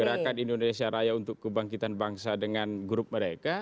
gerakan indonesia raya untuk kebangkitan bangsa dengan grup mereka